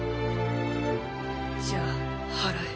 じゃあ祓え。